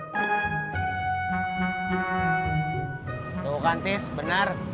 tunggu kan tis bener